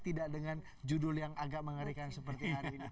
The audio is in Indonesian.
tidak dengan judul yang agak mengerikan seperti hari ini